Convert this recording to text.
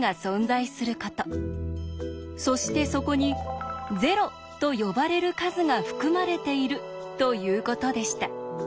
そしてそこに「０」と呼ばれる数が含まれているということでした。